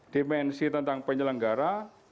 dimensi tentang penyelenggara